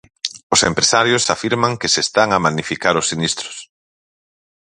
Os empresarios afirman que se están a magnificar os sinistros.